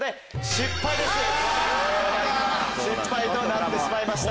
失敗となってしまいました。